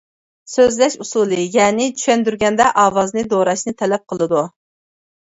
سۆزلەش ئۇسۇلى يەنە چۈشەندۈرگەندە ئاۋازنى دوراشنى تەلەپ قىلىدۇ.